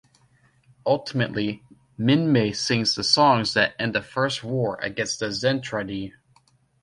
Ultimately, Minmay sings the songs that end the first war against the Zentradi.